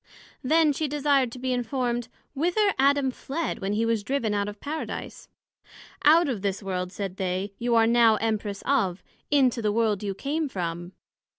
Then she desired to be informed, whither Adam fled when he was driven out of the Paradise? Out of this World, said they, you are now Empress of, into the World you came from.